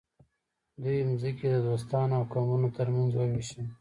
دوی ځمکې د دوستانو او قومونو ترمنځ وویشلې.